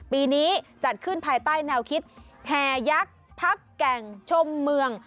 ปีนี้จัดขึ้นภายใต้แนวคิดแห่ยักษ์พักแก่งชมเมือง